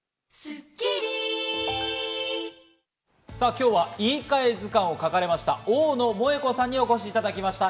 今日は『言いかえ図鑑』を書かれました、大野萌子さんにお越しいただきました。